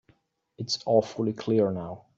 It's awfully clear now.